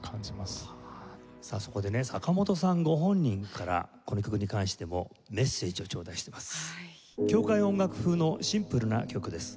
さあそこでね坂本さんご本人からこの曲に関してもメッセージをちょうだいしています。